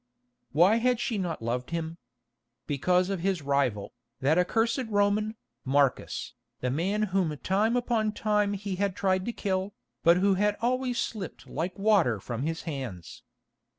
Why had she not loved him? Because of his rival, that accursed Roman, Marcus, the man whom time upon time he had tried to kill, but who had always slipped like water from his hands.